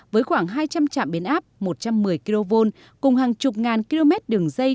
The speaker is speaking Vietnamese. với khoảng hai trăm linh trạm biến áp một trăm một mươi kv cùng hàng chục ngàn km đường dây